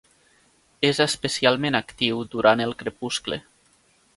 És especialment actiu durant el crepuscle.